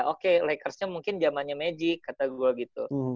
oke lakersnya mungkin zamannya magic kata gue gitu